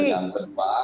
yang yang kedua